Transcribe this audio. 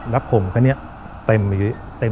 แล้วผมก็เต็มอยู่